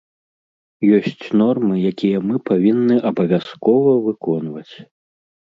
Ёсць нормы, якія мы павінны абавязкова выконваць.